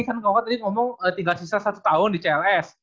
kan kakak tadi ngomong tinggal sisa satu tahun di cls